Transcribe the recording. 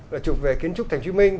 là chụp về kiến trúc thành phố hồ chí minh